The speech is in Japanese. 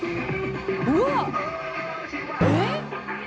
うわっえ？